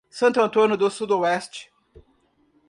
Santo Antônio do Sudoeste